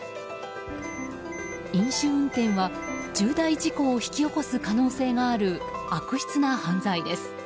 飲酒運転は重大事故を引き起こす可能性がある悪質な犯罪です。